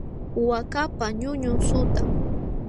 Waakapa ñuñun suqtam.